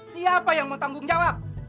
siapa yang mau tanggung jawab